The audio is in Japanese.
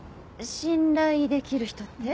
信頼できる人って？